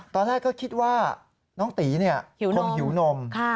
ตอนแรกก็คิดว่าน้องตีคงหิวนม